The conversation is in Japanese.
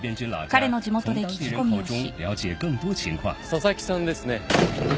佐々木さんですね？